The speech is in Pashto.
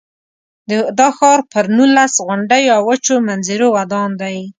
دا ښار پر نولس غونډیو او وچو منظرو ودان دی.